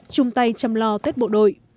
chung tay chăm lo tết bộ đội